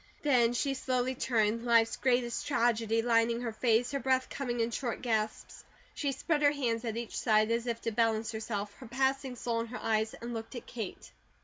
Then she slowly turned, life's greatest tragedy lining her face, her breath coming in short gasps. She spread her hands at each side, as if to balance herself, her passing soul in her eyes, and looked at Kate.